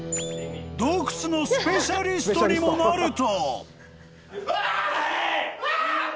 ［洞窟のスペシャリストにもなると］